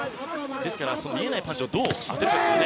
ですから、見えないパンチをどう当てるかですね。